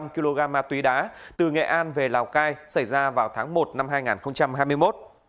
một trăm một mươi năm kg ma túy đá từ nghệ an về lào cai xảy ra vào tháng một năm hai nghìn hai mươi một